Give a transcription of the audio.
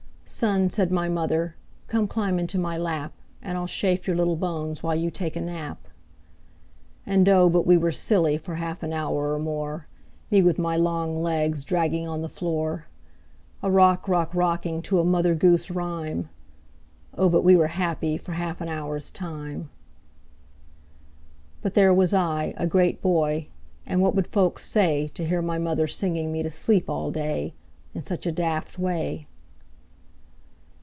"Son," said my mother, "Come, climb into my lap, And I'll chafe your little bones While you take a nap." And, oh, but we were silly For half an hour or more, Me with my long legs Dragging on the floor, A rock rock rocking To a mother goose rhyme! Oh, but we were happy For half an hour's time! But there was I, a great boy, And what would folks say To hear my mother singing me To sleep all day, In such a daft way?